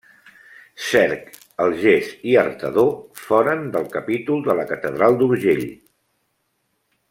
Cerc, el Ges i Artedó foren del capítol de la catedral d'Urgell.